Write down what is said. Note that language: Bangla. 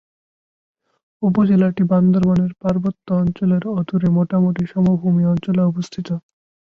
উপজেলাটি বান্দরবানের পার্বত্য অঞ্চলের অদূরে মোটামুটি সমভূমি অঞ্চলে অবস্থিত।